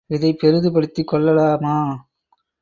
இதைப் பெரிதுபடுத்திக் கொள்ளலாமா?